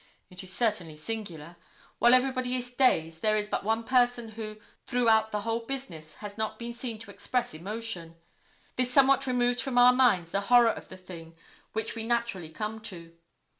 It is certainly singular. While everybody is dazed there is but one person who, throughout the whole business, has not been seen to express emotion. This somewhat removes from our minds the horror of the thing which we naturally come to.